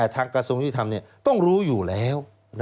ทางกระทรวงวิทยุทำต้องรู้อยู่แล้ว